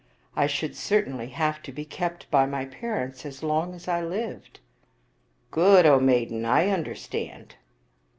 I should certainly have to be kept by my parents as long as I lived." " Good, O maiden ; I understand."